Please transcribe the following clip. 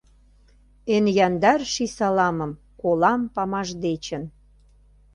Эн яндар ший саламым колам памаш дечын.